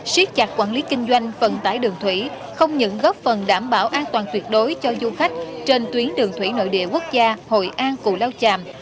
xuyết chặt quản lý kinh doanh phần tải đường thủy không những góp phần đảm bảo an toàn tuyệt đối cho du khách trên tuyến đường thủy nội địa quốc gia hội an cụ lao chàm